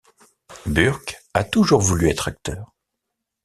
Burke a toujours voulu être acteur.